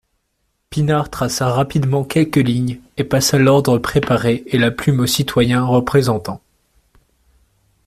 Pinard traça rapidement quelques lignes et passa l'ordre préparé et la plume au citoyen représentant.